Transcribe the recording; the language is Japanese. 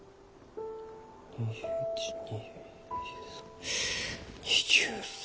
２１２２２３。